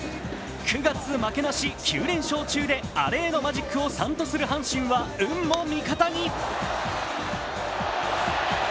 ９月負けなし９連勝中でアレへのマジックを３とする阪神は運も味方に。